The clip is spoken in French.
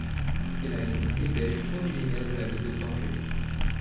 Fellaini est belge originaire de la ville de Tanger.